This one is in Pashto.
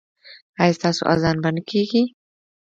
ایا ستاسو اذان به نه کیږي؟